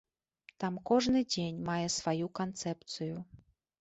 Там кожны дзень мае сваю канцэпцыю.